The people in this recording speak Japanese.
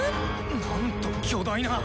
なんと巨大な！